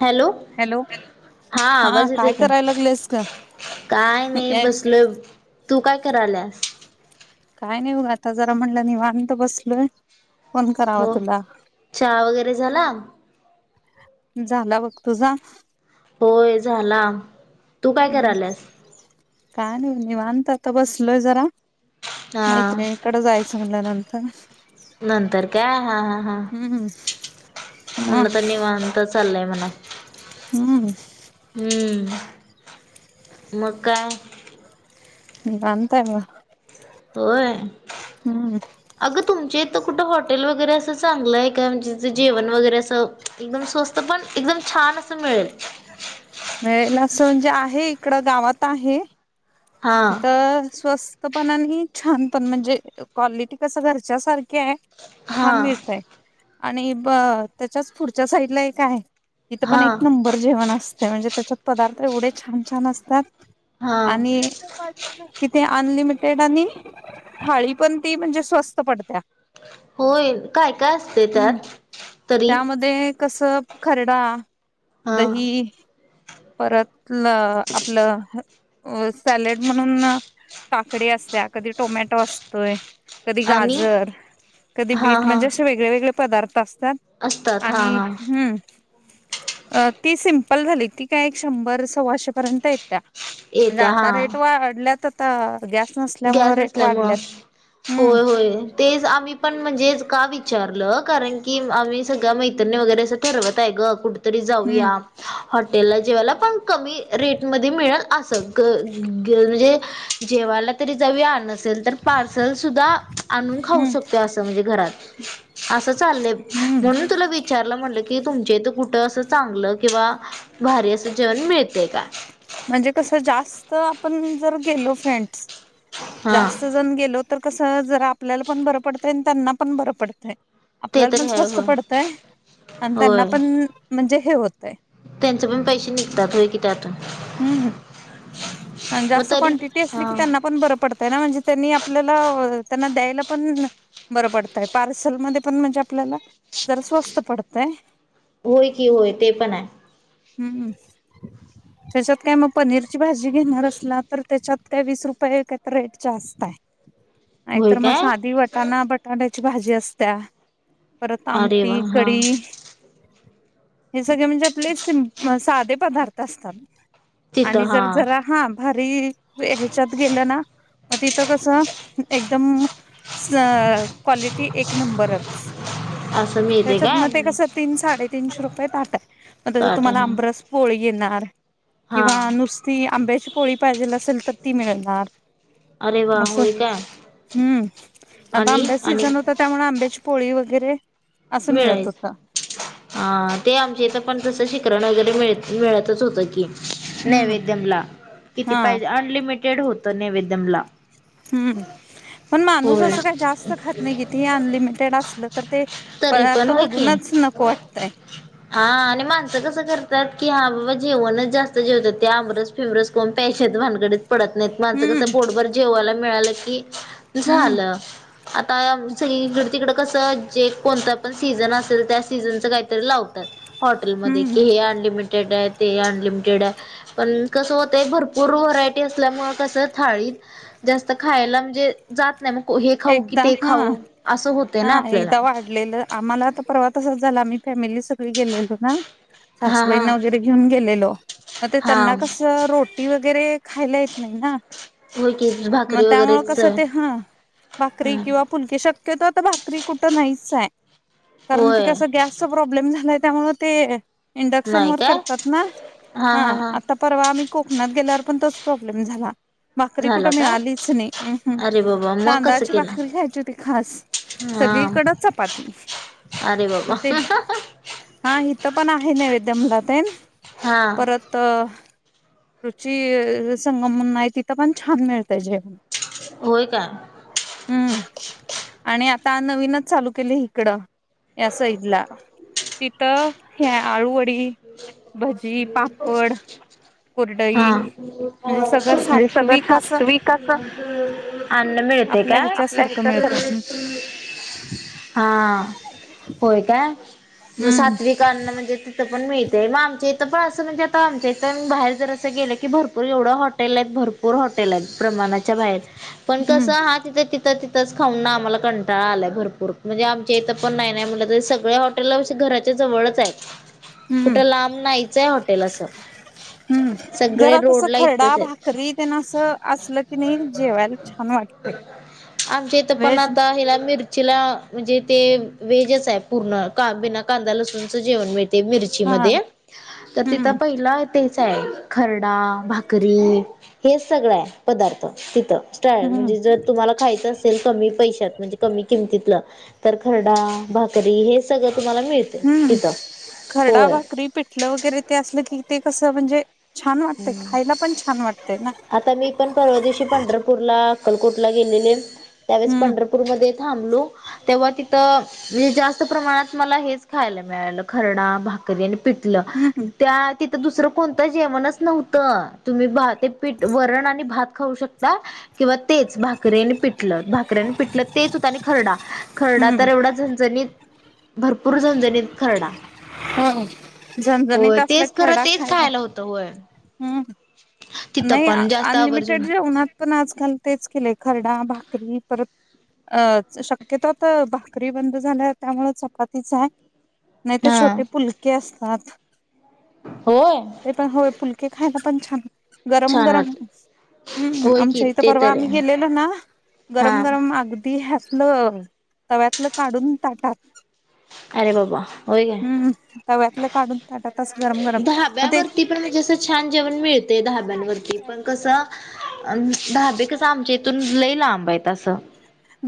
Hello hello हा काय कराय लागल्यास ग? काय नाही या बसलोय तू काय करायल्यास. काय नाही बग आता जरा म्हणलं निवांत बसलोय. फोन करावा हो तुला चहा वगैरे झाला? झाला बघ तुझा? होय झाला, तू काय हम्म करायल्यास? काय नाही निवांत आता बसलोय जरा हा मैत्रिणीकडे जायचं म्हणलं नंत. तर नंतर काय हा हा हा. हम्म म म्हनल तर निवांत चाललंय म्हणा. हम्म हम्म म काय? [unintelligible] य मग. होय अगं तुमच्या इथ कुठं हॉटेल वगैरे अस. चांगलं हाय काय? म्हणजे जिथं जेवण वगैरे असं एकदम स्वस्त पण एकदम छान असं मिळेल. मिळेल अस म्हणजे आहे इकडं गावात आहे हा तिथ स्वस्. पण आणि छान पण म्हणजे क्वालिटी कसं घरच्या सारखी हाय. हा छान मिळतय आणि बघ त्याचाच पुढच्या साइडला एक हाय. तथं पण हा एक नंबर जेवण असतंय म्हणजे त्याच्यात पदार्थ एवढे छान छान असतात. हा आणि किती अनलिमिटेड आणि थाळी पण ती म्हणजे स्वस्त पडती या. होय काय काय असते त्यात? तरी कस खरडा. हा दही परत आपलं सॅलेड म्हणून काकडी असतीया कधी टोमॅटो असतोय. कधी आणि गाजर कधी हा बीट हा म्हणजे असे वेगळे वेगळे पदार्थ असत असतात हा आणि हा हम्म अ ती सिम्पल झाली ती काय एक शंभर सव्वाशे पर्यंत येत्या. येते हा. हडल्यात आता गॅस नसल्यामुळे गॅस रेट नसल्यामूळ वाढल्यात. हं, होय होय तेच आम्ही पण म्हणजे. का विचारलं कारण की आम्ही सगळ्या मैत्रणी वगैरे असं ठरवत हाय ग कुठ? तरी हं, जाऊया ेत्याला जेवायला पण कमी रेटमध्ये मिळेल असं ग म्हणजे जेवायला. तरी जाऊयावआजच. असल तर पार्सल सुद्धा आणून खाऊ हं, शकतो असं म्हणजे घरात असं चाललंय. हं. म्हणून तुला विचारल म्हटलं की कि तुमच्या इथं कुठं असं चांगलं किंवा भारी असं जेवण मिळतमिळतय का. म्हणजे कस जास्त आपण जर गेलो फ्रेंडस हा जास्त जन गेलो तर कसं जरा आपल्याला पण बरं पडतंय आणि त्यांना पण बरं पडतंय ते आपल्याला तर पण ह स्वस्त पडतय आणि होय त्यांना होय पण म्हणजे हे होतय त्यांचे पण पैसे निघतात होय की त्यात ह हम मग जास्त तरी क्वांटिटी असली हा की त्यांना पण बरं पडतय ना म्हणजे त्यांनी आपल्याला त्यांना द्यायला पण बरं पडतंय पार्सलमध्ये पण म्हणजे आपल्याला जरा स्वस्त पड ते [unintelligible] होय की होय ते पण आहे [unintelligible] हम्म त्याच्यात [unintelligible] काय मग पनीरची भाजी घेणार असला तर त्याच्यात काय वीस रुपये काय तर रेट जास्तताय होय नाहीतर मग काय साधी वटाणा बटाट्याची भाजी असत्या परत अरे वा आमटी हा कडी हे सगळे म्हणजे आपले सि [unintelligible] साधे पदार्थ असतात तित आणि हा जर जरा हा भारी ह्याच्यात गेलं ना अ तिथं कसं एकदम [unintelligible] क्वालिटी एक नंबरच असं मिळते त्याच्यात मग काय ते कस तीन साडेतीनशे रुपये ताटाय मग [unintelligible] त्या [unintelligible] ताट हा तुम्हाला आबरस पोळी येणार हा किंवा नुसती आंब्याची पोळी पाहिजे असेल तर ती मिळणार अरे वा असं होय काय हम्म आता आणि आंब्याच आणि सिझन होत त्यामुळे आंब्याची पोळी वगैरे असं मिळत होत मिळायच हा ते आमच्या इथ पण तस शीखरण वगैरे [unintelligible] मिळतच होत की हम्म नैवेदमला किती हा पाहिजे अनलिमिट ेड [unintelligible] होत नैवेदम ला ह् [unintelligible] पण माणूस अस काही जास्त खात नाही किती अनलिमिटेड असलं तर ते तरी पण पदार्थ होय की बघूनच नको वाटतंय हा आणि माणसं कसं करतात की हा बाबा [unintelligible] जेवणच जास्त जेवतात ते आमबरस फिमरस कोण प्याशत [unintelligible] भानगडीत पडत नाहीत माणसं कसं हम्म पोटभर जेवायला मिळालं की हम्म झालं आता सगळीकड तिकड कस जे कोणता पण सीझन असेल त्या सीझनच काहीतरी लावतात हॉटेलमध्ये हम्म कि हे अनलिमिटेड ते अनलिमिटेड आहे पण कसं होतय भरपूर व्हरायटी असल्यामुळे कसं थाळीत जास्त खायला म्हणजे जात नाही मग हे खाऊ की एकदा ते हा खाऊ असं होत हा एकदा वाढलेलं आम्हाला तर परवा तसच झाला आम्ही फॅमिली सगळी गेलेलो ना हा हा सासूबाईना वगैरे घेऊन गेलेलो मग ते त्यांना हा कसं रोटी वगैरे खायला येत नाही ना होय की मग भाकरी त्यामुळे वगैरेच कस ते हम्म हा भाकरी किंवा फुलके शक आता भाकरी कुठ नाहीच चाय कारण त होय कस गॅसचा प्रॉब्लेम झाला त्यामुळ ते इंडक्शन नाही वर काय करतात ना हा आता परवा आम्ही कोकणात गेल्यावर पण तच [unintelligible] प्रॉब्लेम झाला भाकरी झाला कुठं काय मिळालीच नाहीहम् अरे बाबा मग कसं तांदळाची केलं भाकरी ख्यायची होती खास हा सगळीकड चपाती अरे मग बाबा ते हा इथं पण आहे नैवेद्य मुला [unintelligible] प हा [unintelligible] परत रुची संगम म्हणून हाय तिथं पण छान मिळ त्याजव होय काय [unintelligible] हम्म आणि आता नवीनच चालू केले इकडं या साईडला तिथं ह [unintelligible] आळूवडी भजी पापड हा कुरडई सगळं म्हणजे [unintelligible] सगळं सात्विक असं सातविकाच मिळतंय आपल्या काय ह्याच्यासारखं मिळतंय आपल्याहितच हा होय काय म हम्म सात्विकांन म्हणजे तिथं पण मिळतं ते मग आमचे पण असं म्हणजे आता आमच्या इथून बाहेर जर असं गेलं की भरपूर एवढं हॉटेल आहेत भरपूर हॉटेल आहेत प्रमाणाच्या बाहेर पण हम्म कसं हा तिथं तिथं तिथं खाऊन आम्हाला कंटाळा आलाय भरपूर म्हणजे आमच्या इथं पण नाही नाही म्हटलं तर सगळ्या हॉटेल घराच्या जवळच आहे हम्म कुठं लांब नाहीचं आहे हॉटेल असं हम्म सगळे जरा कसं रोडला खरडा, इथंच आहेत भाकरी त्यांना असं असलं कनेय जेवायला छान वाटतं आमच्या इथं पण आता हेला मिरची ला म्हणजे ते व्हेजच आहे, पूर्ण का बिना कांदा लसूणच जेवण मिळतंय हा मिरचीमध्ये तर तिथं हम्म पहिला तेच आहे खरडा भाकरी हेच सगळं आहे पदार्थ तिथं स्टाल हम्म म्हणजे जर तुम्हाला खायचं असेल कमी पैशात म्हणजे कमी किंमतीतलं तर खरडा भाकरी हेच हम्म खरडा होय भाकरी पिठलं वगैरे ते असलं की ते कसं म्हणजे छान वाटतं खायला पण छान वाटतंय आता मी पण परवा दिवशी पंढरपूरला अक्कलकोटला गेलेले त्यावेळेस हम्म पंढरपूरमध्ये थांबलो तेव्हा तिथं म्हणजे जास्त प्रमाणात मला हेच खायला मिळालं खरडा, भाकरी आणि पिठलं हम्म त्या तिथं दुसरं कोणतं जेवणच नव्हतं तुम्ही वरण आणि भात खाऊ शकता, किंवा तेच भाकरी आणि पिठलं पिठलं तेच होतं आणि खरडा खरडा हम्म तर एवढा झणझणीत भरपूर झणझणीत खरडा हो झणझणीत होय असला तेच खरं खरडा तेच खायला होतं होय हम्म तिथं नाही पण जास्त आवर्जून अनलिमिटेड जेवणात पण आजकाल तेच केलेय खरडा, भाकरी परत अ शक्यतो तर भाकरी बंद झाल्या त्यामुळे चपातीच आहे नाहीतर हा छोटे फुलके असतात होय ते पण होय फुलके खायला पण छान गरम छान गरम वाटत हम् होय की आमच्या इथं ते परवा तर आम्ही आहे गेलेलो ना गरम हा गरम अगदी ते ह्यातलं तव्यातलं काढून ताटात अरे बाबा होय काय हम्म तव्यातलं काढून ताटात असं गरम गरम मग ते धाब्यावरती पण म्हणजे असं छान जेवण मिळतं ते धाब्यांवरती पण कसं धाबे कसं आमच्या इथून लय लांब आहेत तसं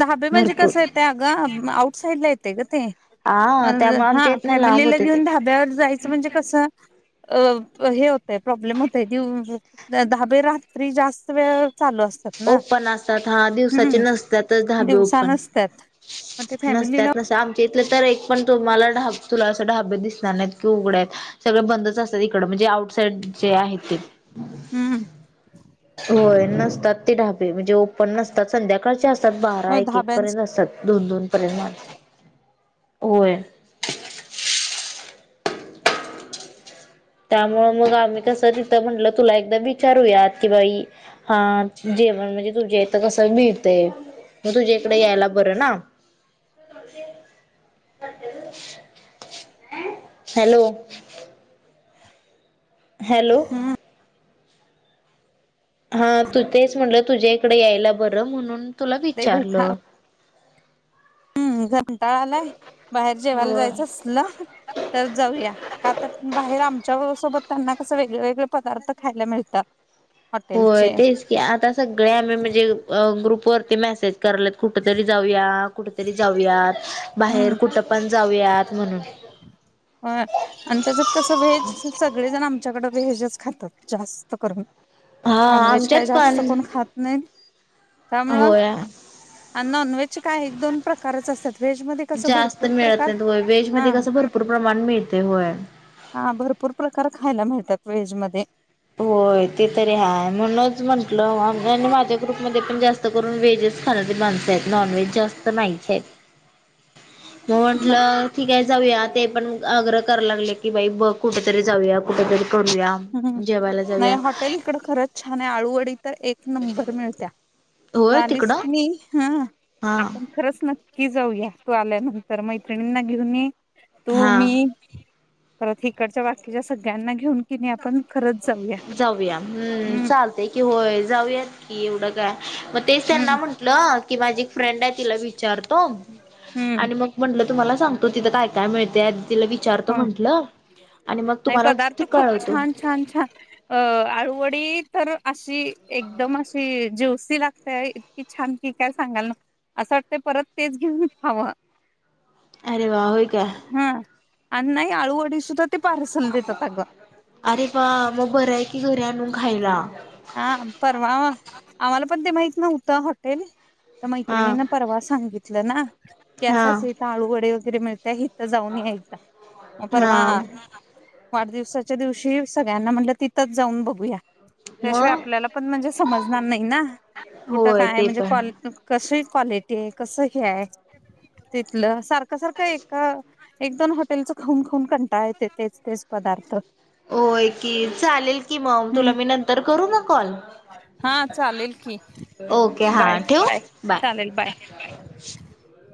धाबे म्हणजे कसं येतंय अगं आउटसाईडला येतंय गं ते हा त्यामुळे आमच्या हा इथन लांब फॅमिलीला होते ते घेऊन धाब्यावर जायचं म्हणजे कसं अ हे होतंय प्रॉब्लेम होतंय धाबे रात्री जास्त वेळ चालू असतात ना ओपन असतात हा दिवसाचे हम्म नसतातच धाबे दिवसा ओपण नसतात मग ते नसत्यात फॅमिलीला तसं तिथलं तर एक पण तुम्हांला तुला धा असं धाबे दिसणार नाही कि उघडं आहेत, सगळे बंदच असतात इकडं पण म्हणजे आउटसाइड जे आहे ते हम्म होय नसतात ते धाबे म्हणजे ओपन नसतात, संध्याकाळचे असतात बारा हो एक एक धाब्यांच पर्यंत असतात दोन दोन पर्यंत होय त्यामुळे मगं आम्ही कसं तिथं म्हटलं तुला एकदा विचारूया की बाई हा जेवण म्हणजे तुझ्या इथं कसं मिळतंय मग तुझ्या इकडे यायला बरं ना [inaudible] हॅलो हॅलो हम्म हा तू तेच म्हणलं तुझ्या इकडे यायला बरं म्हणून तुला ते विचारलं ह हं पळालाय बाहेर जेवायला होय जायचं असलं तर जाऊया का तर बाहेर आम सोबत त्यांना कस वेगळेवेेगळे पदार्थ खायला मिळतात. होय हॉटेलचे तेच की आता सगळे आम्ही म्हणजे ग्रुप वरती मेसेज करलेत कुठ तरी जाऊया, कुठतरी जाऊया, हम्म बाहेर कुठ पण जाऊयात म्हणून. हो आणि त्याच्यात कस व्हेज सगळेजण आमच्याकडे व्हेजच खातात जास्त करून. हा नॉन व्हेज आमच्यात काय जास्त पण कोण खात नाही. त्यामुळं होय आणि नॉनवे्ज काय दोन प्रकारच असतात व्हेज मध्ये कस जास्त भरपूर मिळत प्रकार नाहीत होय व्हेज हा. मध्ये कसं भरपूर प्रमाण मिळते होय हा भरपूर प्रकार खायला मिळतात व्हेज मध्ये. होय ते तरी हाय म्हणूनच म्हंटलं माझ्या ग्रुपमध्ये पण जास्त करून वेहेजच खानारी मान सय नॉनव्हेज जास्त नाहीचे. मग म्हंटलं ठीके जाऊयात. ते पण आग्रह करा लागले की, बाई बघ कुठेतरी जाऊया, कुठेतरी करूया. हं, जेवायला नाही जाऊया हॉटेल इकड खरंच छाने. आळूवडी तर एक नंबर मिळत्या. तू होय आलीस तिकडं की नही, हं, हा आपण खरंच न की जाऊया तू आल्यानंतर. मैत्रणींना घेऊन ये. तू हा मी परत हिकडच्या बाकीच्या सगळ्यांना घेऊन कि नही आपण खरंच जाऊया जाऊया. हं, हम्म चालतय कि. होय जाऊयात कि, एवढं काय? मग तेच हम्म त्यांना म्हंटलं की माझी एक फ्रेंड आहे, तिला विचारतो. हम्म आणि मग म्हणल तुम्हाला सांगतो, तिथं काय काय मिळतया. तिला विचारतो हो म्हंटलं आणि मग नाही तुम्हालाच पदार्थ ते खूप कळवतो. छान छान छान अ आळूवडी तर अशी एकदम अशी जीव सी लागतेय, इतकी छान की काय सांगाला नको. असं वाटतय परत तेच घेऊन खावं. अरे वा! होय काय? हा आणि नाही आळूवडी सुद्धा ते पार्सल देतात अगं अरे वा! मग बरंय की घरी आणून खायला. हां, परवाला आम्हाला पण ते माहित नव्हतं हॉटेल. तर हा मैत्रिणीन परवा सांगितलं ना की, हा असं असं इथ आळूवडे वगैरे मिळत्या ही त जाऊन या एकदा. म परवा हा वाढदिवस साच्या दिवशी सगळ्यांना म्हणलं, तिथंच जाऊन बघूया. त्याशिवाय मग आपल्याला पण म्हणजे समजणार नाही ना. कुठं होय काय ते म्हणजे पण कॉल कसे क्वालिटीये कसं हे आहे तिथलं? सारखं सारखं एक एक दोन हॉटेलचं खाऊन खाऊन कंटाळा येते, तेच तेच पदार्थ. होय की, चालेल कि मग. तुला हम्म मी नंतर करू म कॉल? हा चालेल की. ओके हा बाय, ठेवू बाय. चालेल बाय. [inaudible]